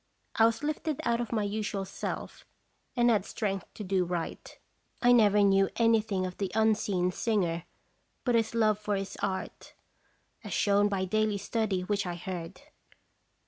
I was lifted out of my usual self, and had strength to do right. I never knew any thing of the unseen singer but his love for his art as shown by daily study which I heard.